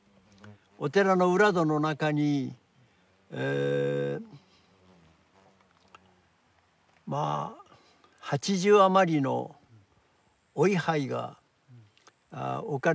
お寺の裏戸の中にまあ８０余りのお位牌が置かれてありましたけどね。